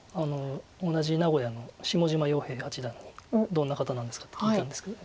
同じ名古屋の下島陽平八段にどんな方なんですかと聞いたんですけど。